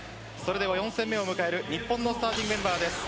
４戦目を迎える日本のスターティングメンバーです。